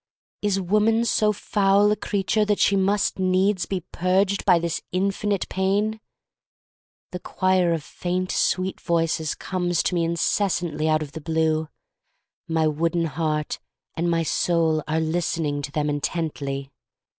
Is woman so foul a creature that she must needs be purged by this infinite pain? The choir of faint, sweet voices comes to me incessantly out of the blue. My wooden heart and my soul are listening to them intently.